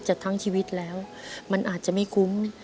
ทั้งชีวิตแล้วมันอาจจะไม่คุ้ม